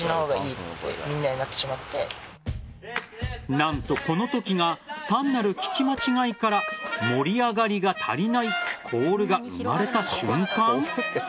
何とこのときが単なる聞き間違いから盛り上がりが足りないコールが生まれた瞬間。